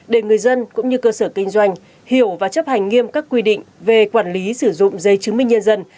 để người dân cũng như cơ sở kinh doanh hiểu và chấp hành nghiêm các quy định về quản lý sử dụng dây chứng minh nhân dân